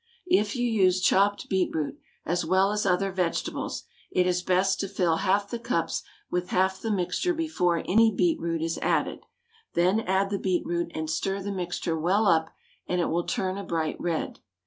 If you use chopped beet root as well as other vegetables, it is best to fill half the cups with half the mixture before any beetroot is added, then add the beet root and stir the mixture well up and it will turn a bright red.